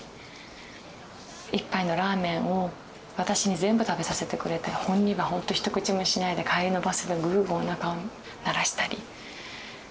一杯のラーメンを私に全部食べさせてくれて本人はほんと一口もしないで帰りのバスでグーグーおなかを鳴らしたり。